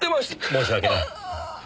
申し訳ない。